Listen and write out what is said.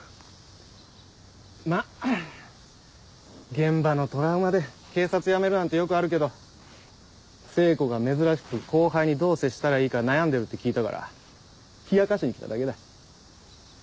まぁ現場のトラウマで警察辞めるなんてよくあるけど聖子が珍しく後輩にどう接したらいいか悩んでるって聞いたから冷やかしに来ただけだ。